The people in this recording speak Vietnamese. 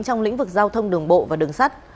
trong lĩnh vực giao thông đường bộ và đường sắt